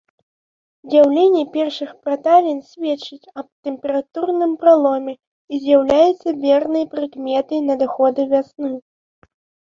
З'яўленне першых праталін сведчыць аб тэмпературным пераломе і з'яўляецца вернай прыкметай надыходу вясны.